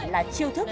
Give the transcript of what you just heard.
là chiêu thức